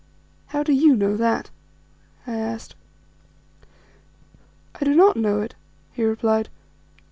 "How do you know that?" I asked. "I do not know it," he replied.